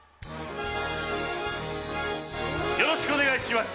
よろしくお願いします。